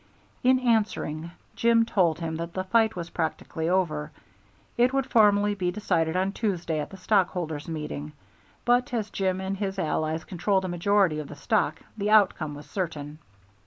In answering, Jim told him that the fight was practically over. It would formally be decided on Tuesday at the stockholders' meeting; but as Jim and his allies controlled a majority of the stock, the outcome was certain.